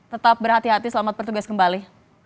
tetap berhati hati selamat bertugas kembali